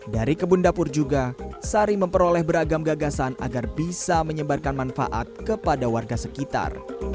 dari kebun dapur juga sari memperoleh beragam gagasan agar bisa menyebarkan manfaat kepada warga sekitar